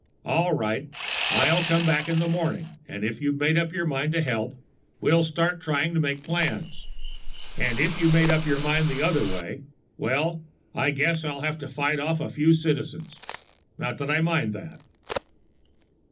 All right. I'll come back in the morning, and if you've made up your mind to help, we'll start trying to make plans. And if you've made up your mind the other way well, I guess I'll have to fight off a few Citizens. Not that I mind that."